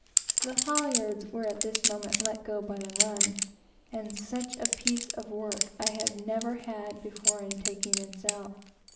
The halyards were at this moment let go by the run; and such a piece of work I never had before, in taking in a sail.